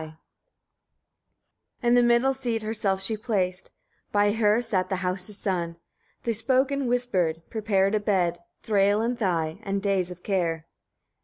11. In the middle seat herself she placed; by her sat the house's son. They spoke and whispered, prepared a bed, Thræl and Thy, and days of care.